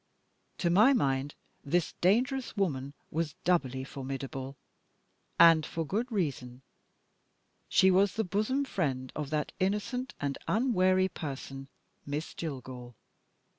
To my mind, this dangerous woman was doubly formidable and for a good reason; she was the bosom friend of that innocent and unwary person, Miss Jillgall.